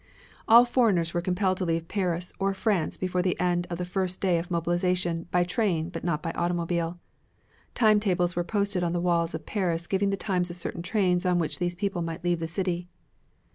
All foreigners were compelled to leave Paris or France before the end of the first day of mobilization by train but not by automobile. Time tables were posted on the walls of Paris giving the times of certain trains on which these people might leave the city.